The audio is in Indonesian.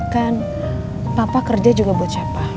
kan papa kerja juga buat siapa